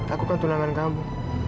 aku kan tunangan kamu